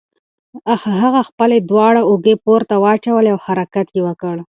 هغه خپلې دواړه اوږې پورته واچولې او حرکت یې وکړ.